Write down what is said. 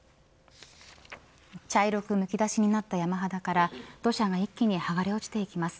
茶色くむき出しなった山肌から土砂が一気に剥がれ落ちていきます。